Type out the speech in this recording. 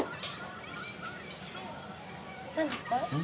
何ですか？